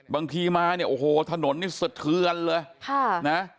บางทีมาเนี่ยโอ้โหถนนนี่สะเทือนเลยค่ะนะ